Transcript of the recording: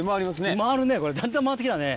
回るねこれだんだん回ってきたね。